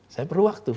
saya perlu waktu